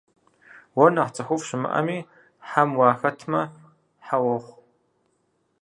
Уэр нэхъ цӏыхуфӏ щымыӏэми - хьэм уахэтмэ, хьэ уохъу.